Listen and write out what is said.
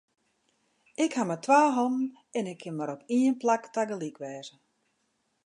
Ik haw mar twa hannen en ik kin mar op ien plak tagelyk wêze.